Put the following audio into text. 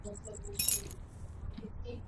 na mimi nilizungumza na rais wa uchina